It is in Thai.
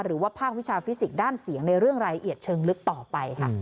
หรือว่าภาควิชาฟิสิกส์ด้านเสียงในเรื่องรายละเอียดเชิงลึกต่อไปค่ะ